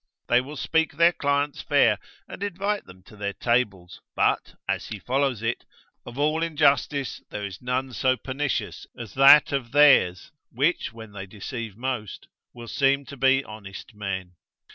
They will speak their clients fair, and invite them to their tables, but as he follows it, of all injustice there is none so pernicious as that of theirs, which when they deceive most, will seem to be honest men.